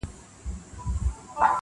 ستا د هري شېبې واک د خپل بادار دی -